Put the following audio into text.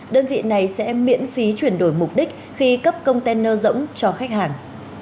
đơn vị này sẽ miễn phí chuyển đổi mục đích khi cấp container rỗng cho khách hàng